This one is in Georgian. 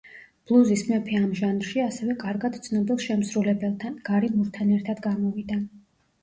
ბლუზის მეფე ამ ჟანრში ასევე კარგად ცნობილ შემსრულებელთან, გარი მურთან ერთად გამოვიდა.